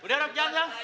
udah rob jangan jangan